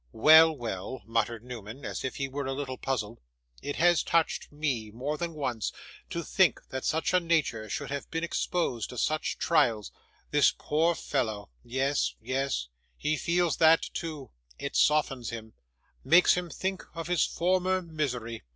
'Well, well,' muttered Newman, as if he were a little puzzled. 'It has touched ME, more than once, to think such a nature should have been exposed to such trials; this poor fellow yes, yes, he feels that too it softens him makes him think of his former misery.